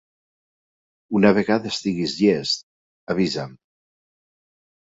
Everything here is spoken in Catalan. Una vegada estiguis llest, avisa'm.